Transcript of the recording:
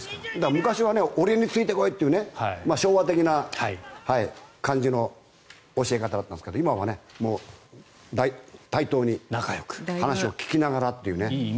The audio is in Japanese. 昔は俺についてこいという昭和的な感じの教え方だったんですが今は対等に話を聞きながらという。